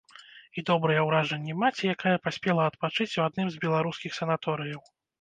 І добрыя ўражанні маці, якая паспела адпачыць у адным з беларускіх санаторыяў.